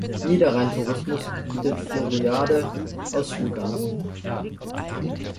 Niederrhein Tourismus bietet Floriade-Ausflüge an.